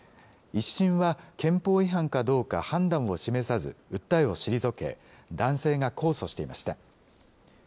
１審は憲法違反かどうか判断を示さず訴えを退け、男性が控訴していました。